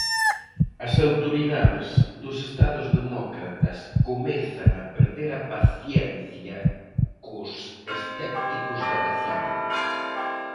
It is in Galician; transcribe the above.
As autoridades dos estados demócratas comezan a perder a paciencia cos escépticos da vacina.